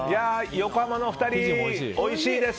横浜のお二人、おいしいです。